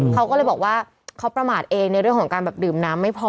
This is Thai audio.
เขาก็เลยบอกว่าเขาประมาทเองในเรื่องของการแบบดื่มน้ำไม่พอ